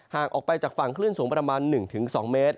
ออกไปจากฝั่งคลื่นสูงประมาณ๑๒เมตร